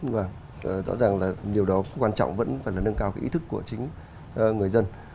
vâng rõ ràng là điều đó quan trọng vẫn phải là nâng cao cái ý thức của chính người dân